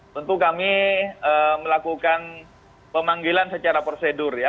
tentu kami melakukan pemanggilan secara prosedur ya